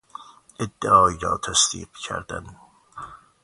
ادعایی را تصدیق کردن